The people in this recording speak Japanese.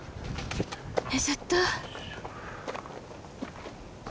よいしょっと。